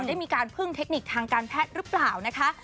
ได้มีการพึ่งเทคนิคทางการแพทย์หรือเปล่านะคะ